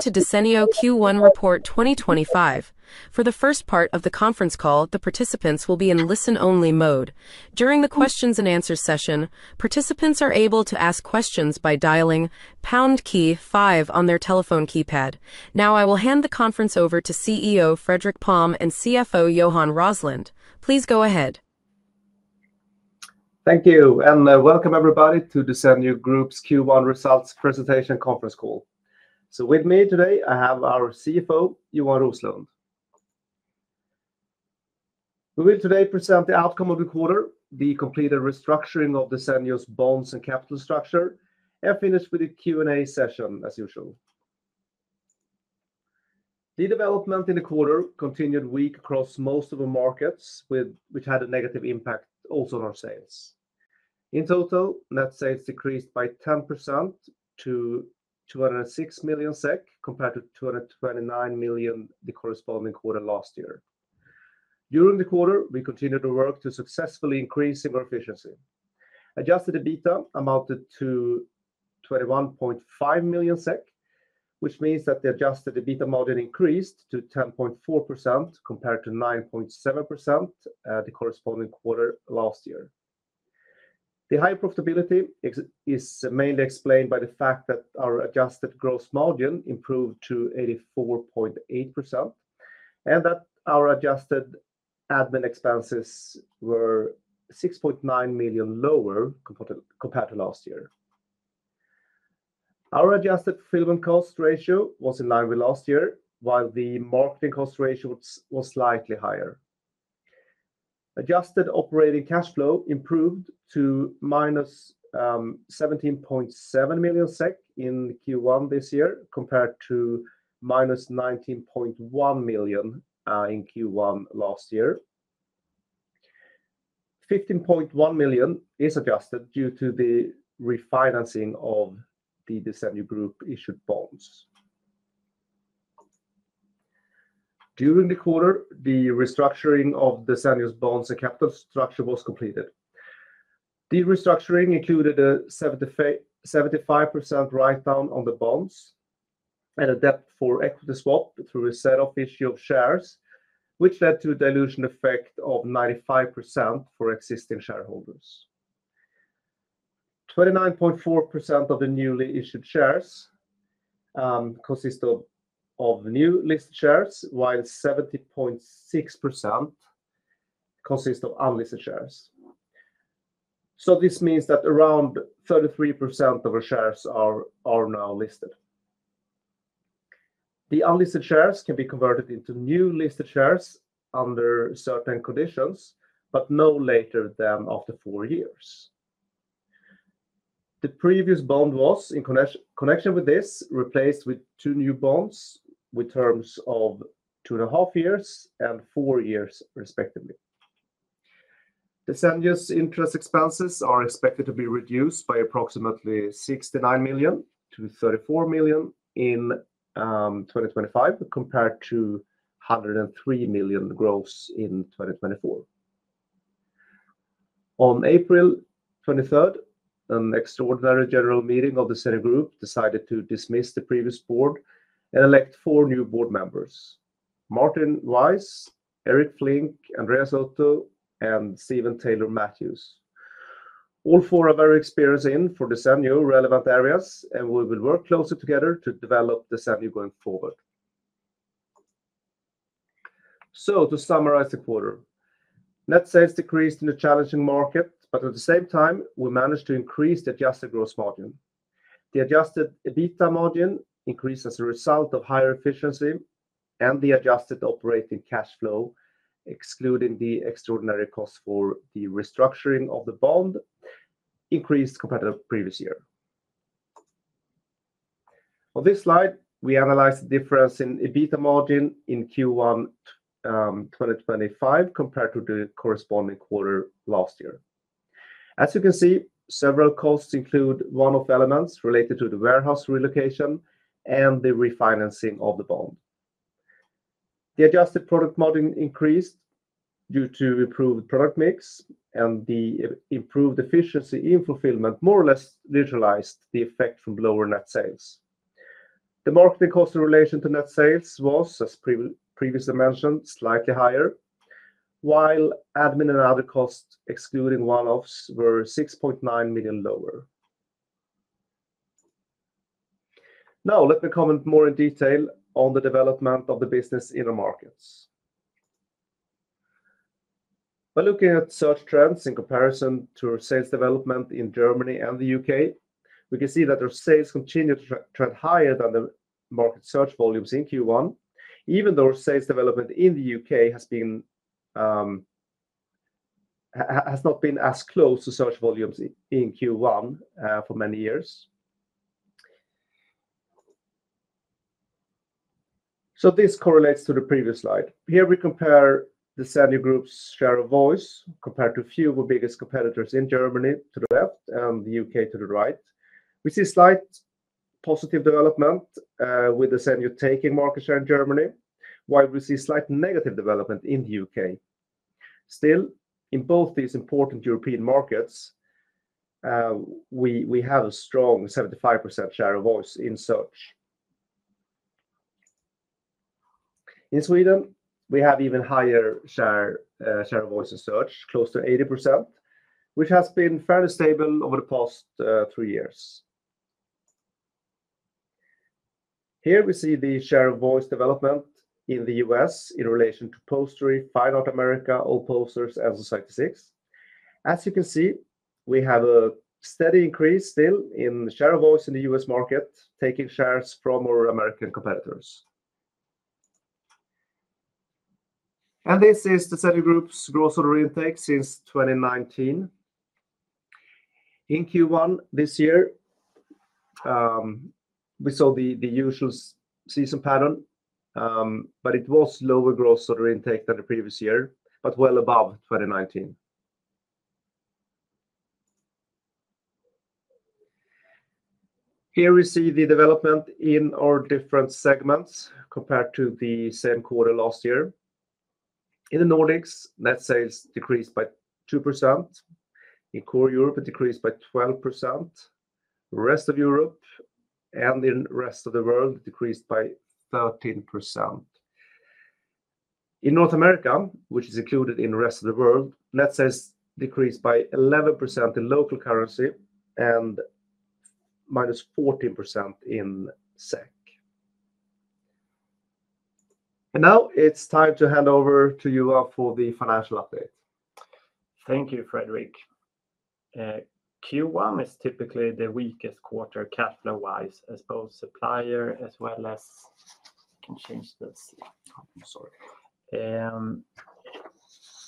Welcome to Desenio Q1 Report 2025. For the first part of the conference call, the participants will be in listen-only mode. During the Q&A session, participants are able to ask questions by dialing pound key five on their telephone keypad. Now, I will hand the conference over to CEO Fredrik Palm and CFO Johan Roslund. Please go ahead. Thank you, and welcome everybody to Desenio Group's Q1 results presentation conference call. With me today, I have our CFO, Johan Roslund. We will today present the outcome of the quarter, the completed restructuring of Desenio's bonds and capital structure, and finish with a Q&A session as usual. The development in the quarter continued weak across most of the markets, which had a negative impact also on our sales. In total, net sales decreased by 10% to 206 million SEK, compared to 229 million the corresponding quarter last year. During the quarter, we continued to work to successfully increase our efficiency. Adjusted EBITDA amounted to 21.5 million SEK, which means that the adjusted EBITDA margin increased to 10.4% compared to 9.7% the corresponding quarter last year. The high profitability is mainly explained by the fact that our adjusted gross margin improved to 84.8%, and that our adjusted admin expenses were 6.9 million lower compared to last year. Our adjusted fulfillment cost ratio was in line with last year, while the marketing cost ratio was slightly higher. Adjusted operating cash flow improved to -17.7 million SEK in Q1 this year compared to -19.1 million in Q1 last year. 15.1 million is adjusted due to the refinancing of the Desenio Group-issued bonds. During the quarter, the restructuring of Desenio's bonds and capital structure was completed. The restructuring included a 75% write-down on the bonds and a debt-for-equity swap through a set of issue of shares, which led to a dilution effect of 95% for existing shareholders. 29.4% of the newly issued shares consist of new listed shares, while 70.6% consist of unlisted shares. This means that around 33% of our shares are now listed. The unlisted shares can be converted into new listed shares under certain conditions, but no later than after four years. The previous bond was, in connection with this, replaced with two new bonds with terms of two and a half years and four years, respectively. Desenio's interest expenses are expected to be reduced by approximately 69 million to 34 million in 2025, compared to 103 million gross in 2024. On April 23rd, an extraordinary general meeting of the Desenio Group decided to dismiss the previous board and elect four new board members: Martin Wise, Eric Flink, Andreas Otto, and Steven Taylor Matthews. All four are very experienced in, for Desenio, relevant areas, and we will work closer together to develop Desenio going forward. To summarize the quarter, net sales decreased in a challenging market, but at the same time, we managed to increase the adjusted gross margin. The adjusted EBITDA margin increased as a result of higher efficiency, and the adjusted operating cash flow, excluding the extraordinary cost for the restructuring of the bond, increased compared to the previous year. On this slide, we analyze the difference in EBITDA margin in Q1 2025 compared to the corresponding quarter last year. As you can see, several costs include one of the elements related to the warehouse relocation and the refinancing of the bond. The adjusted product margin increased due to improved product mix, and the improved efficiency in fulfillment more or less neutralized the effect from lower net sales. The marketing cost in relation to net sales was, as previously mentioned, slightly higher, while admin and other costs, excluding one-offs, were 6.9 million lower. Now, let me comment more in detail on the development of the business in the markets. By looking at search trends in comparison to sales development in Germany and the U.K., we can see that our sales continue to trend higher than the market search volumes in Q1, even though sales development in the U.K. has not been as close to search volumes in Q1 for many years. This correlates to the previous slide. Here, we compare Desenio Group's share of voice compared to a few of our biggest competitors in Germany to the left and the U.K. to the right. We see slight positive development with Desenio taking market share in Germany, while we see slight negative development in the U.K. Still, in both these important European markets, we have a strong 75% share of voice in search. In Sweden, we have even higher share of voice in search, close to 80%, which has been fairly stable over the past three years. Here, we see the share of voice development in the U.S. in relation to Postery, Fineartamerica, AllPosters, and Society6. As you can see, we have a steady increase still in share of voice in the US market, taking shares from our American competitors. This is Desenio Group's gross order intake since 2019. In Q1 this year, we saw the usual season pattern, but it was lower gross order intake than the previous year, but well above 2019. Here we see the development in our different segments compared to the same quarter last year. In the Nordics, net sales decreased by 2%. In core Europe, it decreased by 12%. The rest of Europe and in the rest of the world, it decreased by 13%. In North America, which is included in the rest of the world, net sales decreased by 11% in local currency and -14% in SEK. Now it's time to hand over to you for the financial update. Thank you, Fredrik. Q1 is typically the weakest quarter cash flow-wise, as both supplier as well as—I can change this—sorry.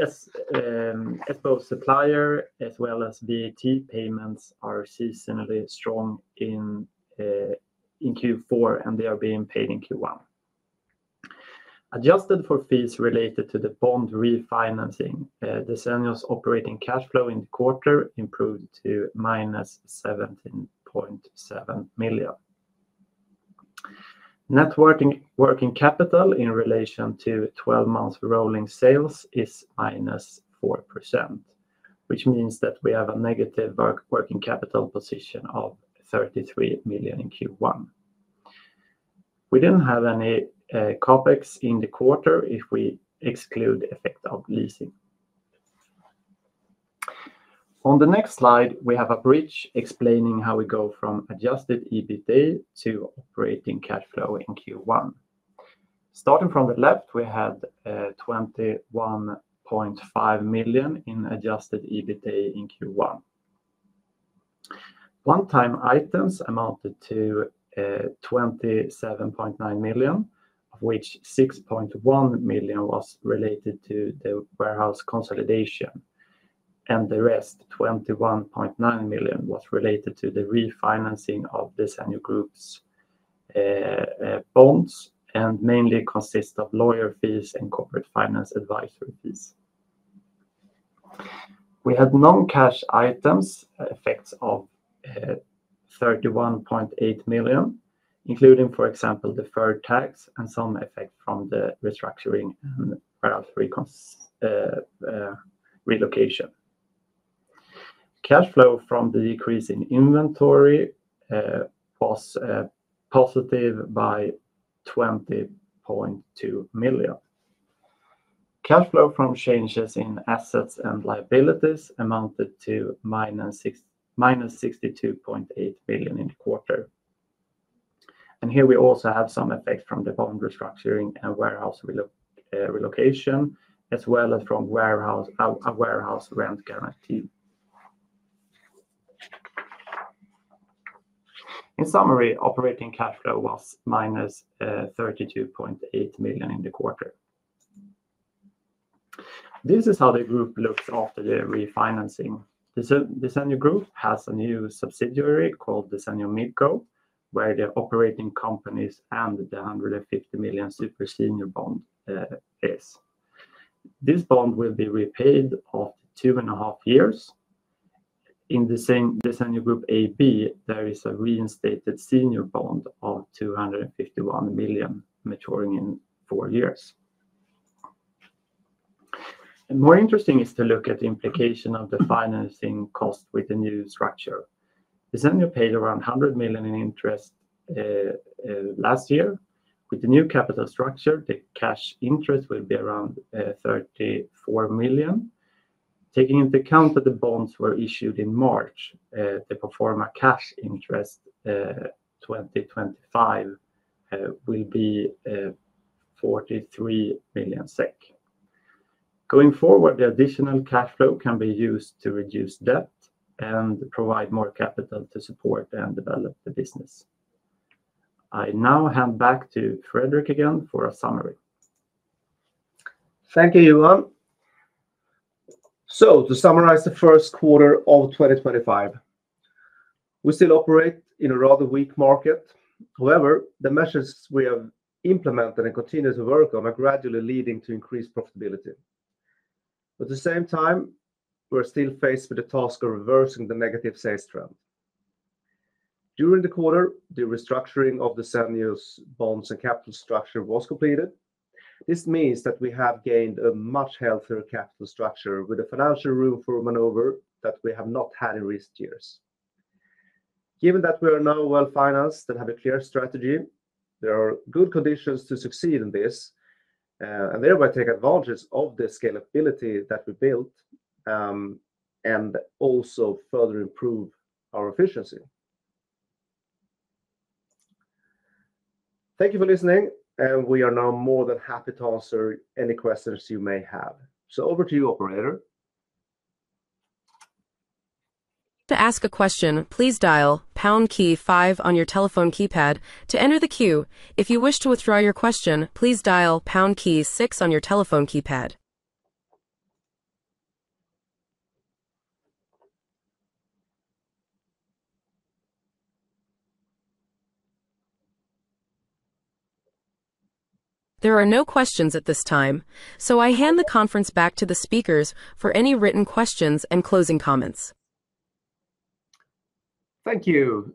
Yes, as both supplier as well as VAT payments are seasonally strong in Q4, and they are being paid in Q1. Adjusted for fees related to the bond refinancing, Desenio's operating cash flow in the quarter improved to -17.7 million. Net working capital in relation to 12 months rolling sales is -4%, which means that we have a negative working capital position of 33 million in Q1. We did not have any CapEx in the quarter if we exclude the effect of leasing. On the next slide, we have a bridge explaining how we go from adjusted EBITDA to operating cash flow in Q1. Starting from the left, we had 21.5 million in adjusted EBITDA in Q1. One-time items amounted to 27.9 million, of which 6.1 million was related to the warehouse consolidation, and the rest, 21.9 million, was related to the refinancing of Desenio Group's bonds and mainly consists of lawyer fees and corporate finance advisory fees. We had non-cash items effects of 31.8 million, including, for example, deferred tax and some effect from the restructuring and warehouse relocation. Cash flow from the decrease in inventory was positive by 20.2 million. Cash flow from changes in assets and liabilities amounted to minus 62.8 million in the quarter. Here we also have some effect from the bond restructuring and warehouse relocation, as well as from warehouse rent guarantee. In summary, operating cash flow was minus 32.8 million in the quarter. This is how the group looks after the refinancing. Desenio Group has a new subsidiary called Desenio Midco, where the operating companies and the 150 million super senior bond is. This bond will be repaid after two and a half years. In Desenio Group AB, there is a reinstated senior bond of 251 million maturing in four years. More interesting is to look at the implication of the financing cost with the new structure. Desenio paid around 100 million in interest last year. With the new capital structure, the cash interest will be around 34 million. Taking into account that the bonds were issued in March, the proforma cash interest 2025 will be 43 million SEK. Going forward, the additional cash flow can be used to reduce debt and provide more capital to support and develop the business. I now hand back to Fredrik again for a summary. Thank you, Johan. To summarize the first quarter of 2025, we still operate in a rather weak market. However, the measures we have implemented and continued to work on are gradually leading to increased profitability. At the same time, we're still faced with the task of reversing the negative sales trend. During the quarter, the restructuring of Desenio's bonds and capital structure was completed. This means that we have gained a much healthier capital structure with a financial room for maneuver that we have not had in recent years. Given that we are now well-financed and have a clear strategy, there are good conditions to succeed in this and thereby take advantage of the scalability that we built and also further improve our efficiency. Thank you for listening, and we are now more than happy to answer any questions you may have. Over to you, operator. To ask a question, please dial pound key five on your telephone keypad to enter the queue. If you wish to withdraw your question, please dial pound key six on your telephone keypad. There are no questions at this time, so I hand the conference back to the speakers for any written questions and closing comments. Thank you.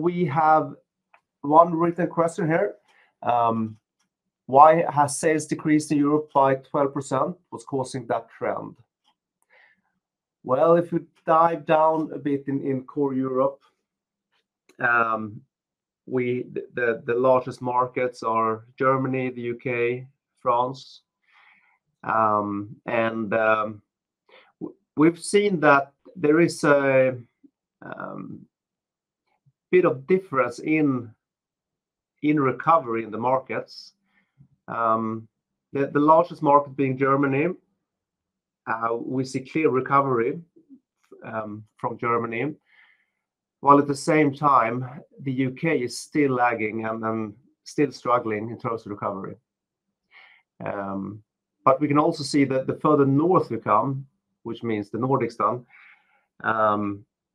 We have one written question here. Why has sales decreased in Europe by 12%? What's causing that trend? If we dive down a bit in core Europe, the largest markets are Germany, the U.K., France. We have seen that there is a bit of difference in recovery in the markets. The largest market being Germany, we see clear recovery from Germany, while at the same time, the U.K. is still lagging and still struggling in terms of recovery. We can also see that the further north we come, which means the Nordics,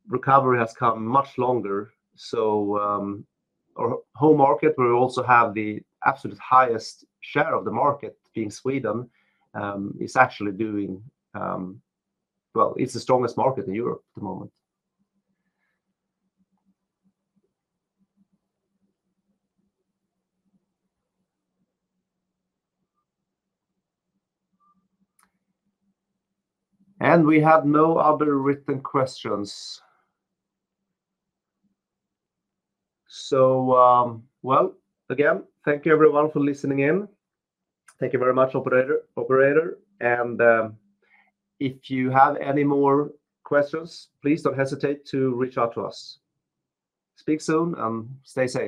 recovery has come much longer. Our home market, where we also have the absolute highest share of the market being Sweden, is actually doing well. It is the strongest market in Europe at the moment. We have no other written questions. Again, thank you, everyone, for listening in. Thank you very much, operator. If you have any more questions, please do not hesitate to reach out to us. Speak soon, and stay safe.